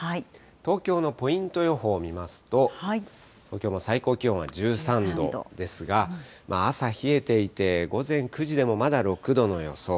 東京のポイント予報見ますと、東京も最高気温は１３度ですが、朝冷えていて、午前９時でもまだ６度の予想。